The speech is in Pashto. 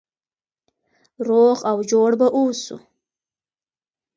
روغ او جوړ به اوسو.